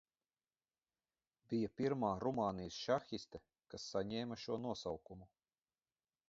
Bija pirmā Rumānijas šahiste, kas saņēmusi šo nosaukumu.